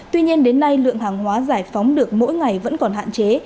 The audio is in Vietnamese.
tuy nhiên đến nay lượng hàng hóa giải phóng được mỗi ngày vẫn còn hạn chế